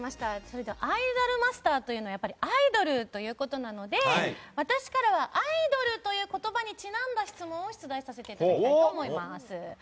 「アイドルマスター」というのはアイドルということなので私からはアイドルという言葉にちなんだ質問を出題させていただきたいと思います。